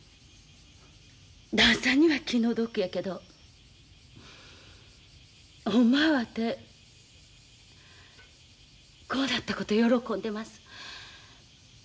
旦さんには気の毒やけどホンマはわてこうなったことを喜んでます。